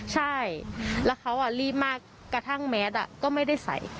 ใช่แล้วเขารีบมากกระทั่งแมสก็ไม่ได้ใส่